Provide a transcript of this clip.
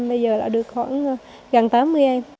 bây giờ là được khoảng gần tám mươi em